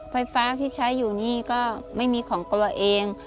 ไฟฟ้าที่ใช้อยู่นี่ก็ไม่มีของตัวเอง